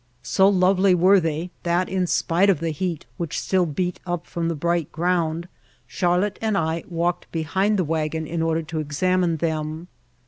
So lovely were they that in spite of the heat which still beat up from the bright ground Charlotte and I walked behind the wagon in order to examine them.